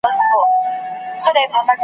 نه د چا د میني نه د زلفو بندیوان یمه .